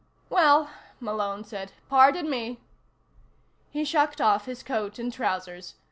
"Well," Malone said, "pardon me." He shucked off his coat and trousers.